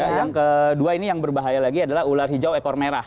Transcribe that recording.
yang kedua ini yang berbahaya lagi adalah ular hijau ekor merah